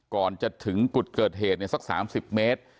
ก่อนจะถึงจุดเกิดเหตุสัก๓๐เมตร